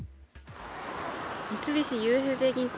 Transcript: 三菱ＵＦＪ銀行